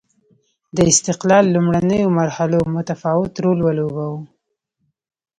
د استقلال لومړنیو مرحلو متفاوت رول ولوباوه.